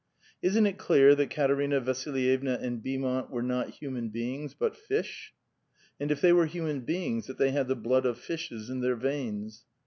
Isn't it clear that Katerina Vasilve^na and Heaumont were not human beinirs, but fish? and if they were human beings, that they had the blood of fishes in their veins?